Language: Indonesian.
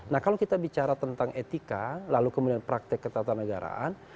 nah kalau kita bicara tentang etika lalu kemudian praktek ketatanegaraan